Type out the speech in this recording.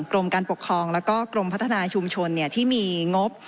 กรมการปกครองแล้วก็กรมพัฒนาชุมชนที่มีงบ